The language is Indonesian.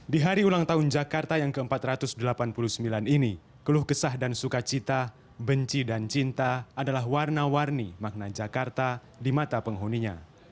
di hari ulang tahun jakarta yang ke empat ratus delapan puluh sembilan ini keluh kesah dan sukacita benci dan cinta adalah warna warni makna jakarta di mata penghuninya